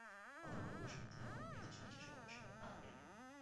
অন্যরা গল্প বলার সময় তিনিও মনে করিয়ে দিচ্ছিলেন সেসব অপারেশনের নানা খুঁটিনাটি।